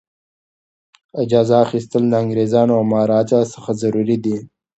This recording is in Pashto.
اجازه اخیستل د انګریزانو او مهاراجا څخه ضروري دي.